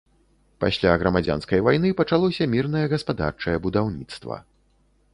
Пасля грамадзянскай вайны пачалося мірнае гаспадарчае будаўніцтва.